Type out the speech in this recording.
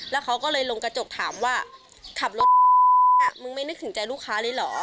แล้วเขาก็เลยลงกระจกถามว่าขับรถมึงไม่นึกถึงใจลูกค้าเลยเหรอ